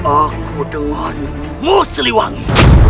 aku denganmu siliwangi